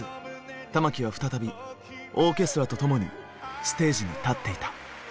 玉置は再びオーケストラと共にステージに立っていた。